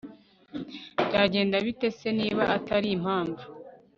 Byagenda bite se niba atari impamvu